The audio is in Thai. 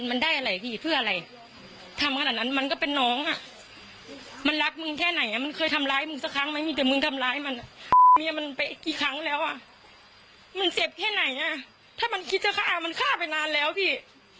มีมันไปกี่ครั้งแล้วมันเสียบแค่ไหนถ้ามันคิดจะฆ่ามันฆ่าไปนานแล้วพี่